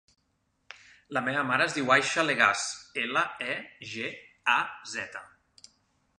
La meva mare es diu Aisha Legaz: ela, e, ge, a, zeta.